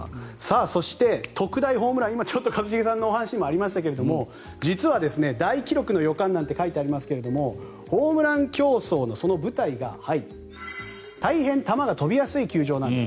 そして、特大ホームラン今、一茂さんのお話にもありましたが実は大記録の予感と書いていますがホームラン競争の舞台が大変、球が飛びやすい球場なんです。